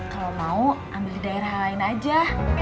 kalau mau ambil di daerah lain aja